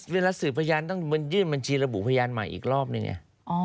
เวลาสืบพยานต้องยื่นบัญชีระบุพยานใหม่อีกรอบนึงไง